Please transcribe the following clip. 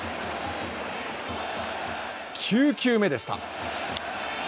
９球目でした。